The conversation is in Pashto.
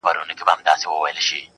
• سپوږمۍ په لپه کي هغې په تماسه راوړې.